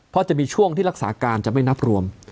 เพราะจะมีช่วงที่รักษาการจะไม่นับรวม